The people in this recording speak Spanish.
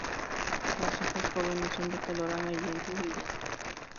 Las hojas jóvenes son de color amarillento y brillante.